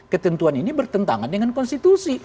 ketentuan ini bertentangan dengan konstitusi